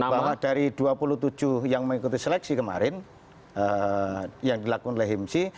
bahwa dari dua puluh tujuh yang mengikuti seleksi kemarin yang dilakukan oleh himsi